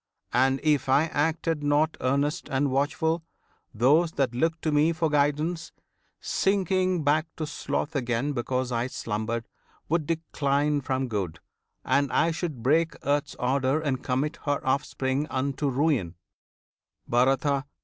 and, if I acted not Earnest and watchful those that look to me For guidance, sinking back to sloth again Because I slumbered, would decline from good, And I should break earth's order and commit Her offspring unto ruin, Bharata!